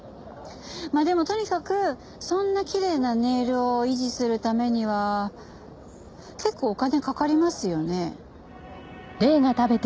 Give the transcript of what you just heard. まあでもとにかくそんなきれいなネイルを維持するためには結構お金かかりますよね。